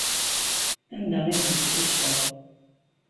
Anda ay ten-tessusfeḍ?